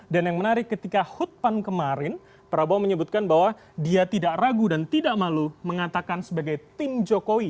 dan yang menarik ketika hutban kemarin prabowo menyebutkan bahwa dia tidak ragu dan tidak malu mengatakan sebagai tim jokowi